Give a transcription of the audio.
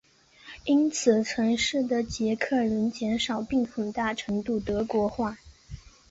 因此城市的捷克人减少并很大程度德国化。